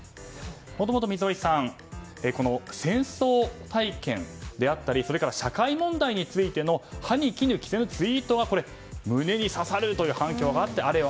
もともと溝井さん戦争体験であったりそれから社会問題についての歯に衣着せぬツイートが胸に刺さるという反響があってあれよ